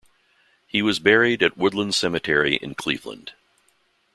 He was buried at Woodland Cemetery in Cleveland.